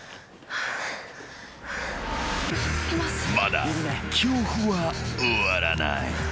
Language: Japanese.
［まだ恐怖は終わらない］